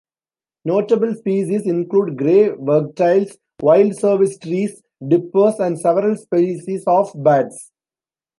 Notable species include grey wagtails, wild service trees, dippers and several species of bats.